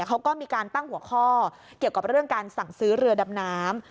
เขาก็มีการตั้งหัวข้อเกี่ยวกับเรื่องการสั่งซื้อเรือดำน้ำ